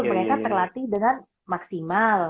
mereka terlatih dengan maksimal